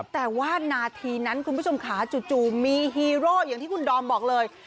แต่ว่านาทีนั้นคุณผู้ชมขาจู่มีฮีโร่อย่างที่คุณดอมบอกเลย